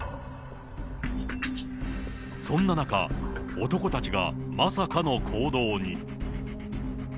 そんな中、男たちがまさかの行動に。